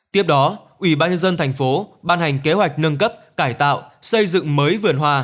tiếp đó ủy ban nhân dân thành phố ban hành kế hoạch nâng cấp cải tạo xây dựng mới vườn hoa